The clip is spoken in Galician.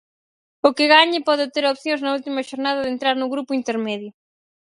O que gañe pode ter opcións na última xornada de entrar no grupo intermedio.